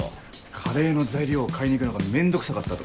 カレーの材料を買いに行くのが面倒くさかったと。